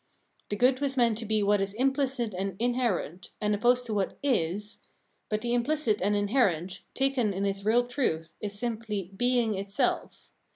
The good was meant to be what is implicit and inherent, and opposed to what is ; but the imphcit and inherent, taken in its real truth, is simply heing itself.